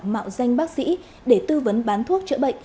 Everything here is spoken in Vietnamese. mạo danh bác sĩ để tư vấn bán thuốc chữa bệnh